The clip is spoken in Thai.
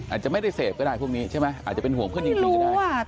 อาจจะไม่ได้เสพก็ได้พวกนี้ใช่ไหมอาจจะเป็นห่วงเพื่อนหญิงลีก็ได้